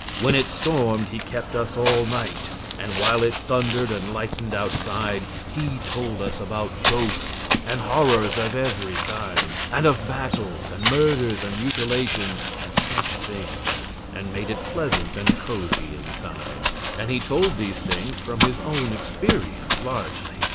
When it stormed he kept us all night; and while it thundered and lightened outside he told us about ghosts and horrors of every kind, and of battles and murders and mutilations, and such things, and made it pleasant and cozy inside; and he told these things from his own experience largely.